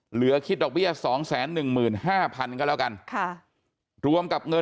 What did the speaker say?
เหลือคิดดอกเบี้ย๒๑๕๐๐๐บาทก็แล้วกัน